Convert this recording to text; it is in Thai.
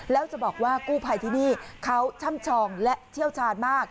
แล้วจะบอกว่ากู้ภัยที่นี่เขาช่ำชองและเชี่ยวชาญมาก